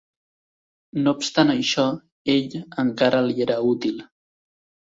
No obstant això, ell encara li era útil.